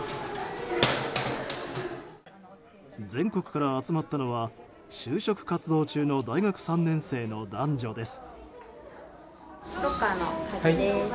全国から集まったのは就職活動中の大学３年生の男女です。